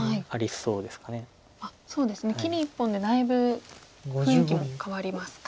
そうですね切り１本でだいぶ雰囲気も変わりますか。